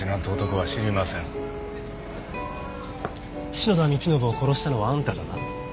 篠田道信を殺したのはあんただな？